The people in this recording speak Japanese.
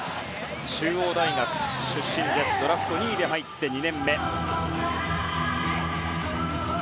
中央大学出身ドラフト２位で入って２年目。